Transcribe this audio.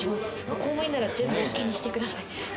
公務員なら全部ＯＫにしてください。